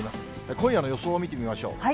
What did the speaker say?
今夜の予想を見てみましょう。